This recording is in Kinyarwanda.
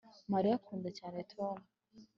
Mariya akunda cyane Tom